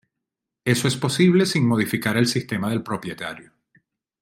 Eso es posible sin modificar el sistema del propietario.